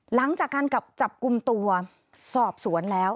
หลังจากการกลับจับกลุ่มตัวสอบสวนแล้ว